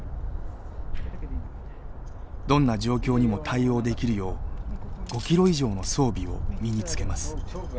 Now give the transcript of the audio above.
どんな状況にも対応できるよう５ｋｇ以上の装備を身につけます。